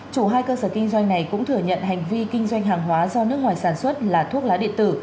chủ hai cơ sở kinh doanh này cũng thừa nhận hành vi kinh doanh hàng hóa do nước ngoài sản xuất là thuốc lá điện tử